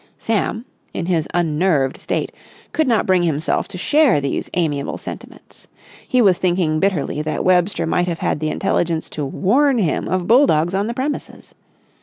Sam, in his unnerved state, could not bring himself to share these amiable sentiments. He was thinking bitterly that Webster might have had the intelligence to warn him of bulldogs on the premises.